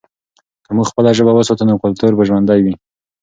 که موږ خپله ژبه وساتو، نو کلتور به ژوندی وي.